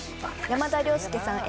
山田涼介さん